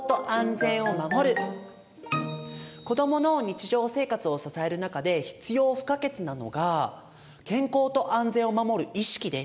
子どもの日常生活を支える中で必要不可欠なのが健康と安全を守る意識です。